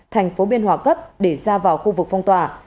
thành phố biên hòa cấp để ra vào khu vực phong tỏa